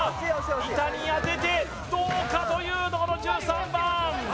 板に当ててどうかという１３番